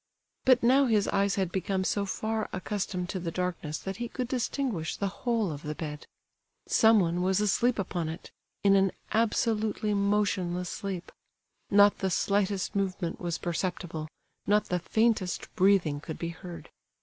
But now his eyes had become so far accustomed to the darkness that he could distinguish the whole of the bed. Someone was asleep upon it—in an absolutely motionless sleep. Not the slightest movement was perceptible, not the faintest breathing could be heard.